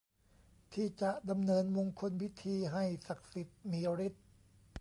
ที่จะดำเนินมงคลพิธีให้ศักดิ์สิทธิ์มีฤทธิ์